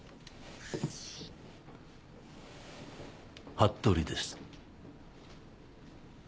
服部です。